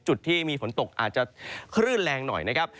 จุดที่มีฝนตกอาจจะคลื่นแรงหน่อยนะครับ